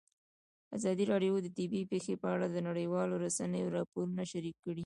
ازادي راډیو د طبیعي پېښې په اړه د نړیوالو رسنیو راپورونه شریک کړي.